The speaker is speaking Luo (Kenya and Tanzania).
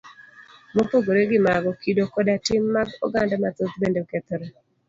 Mopogore gi mago, kido koda tim mag oganda mathoth bende okethore.